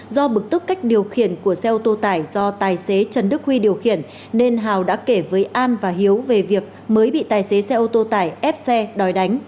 do bực tức cách điều khiển của xe ô tô tải do tài xế trần đức huy điều khiển nên hào đã kể với an và hiếu về việc mới bị tài xế xe ô tô tải